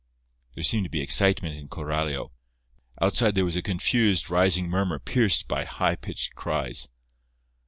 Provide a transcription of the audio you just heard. There seemed to be excitement in Coralio. Outside there was a confused, rising murmur pierced by high pitched cries.